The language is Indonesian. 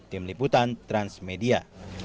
tim liputan transmedia